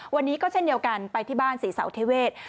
วันนี้ก็เช่นเดียวกันไปที่บ้านศรีเสาเทเวศ